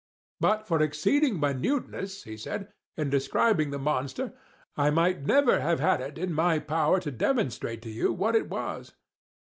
"But for your exceeding minuteness," he said, "in describing the monster, I might never have had it in my power to demonstrate to you what it was.